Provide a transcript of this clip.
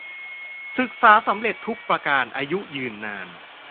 ศึกษาสำเร็จทุกประการ อายุยืนนาน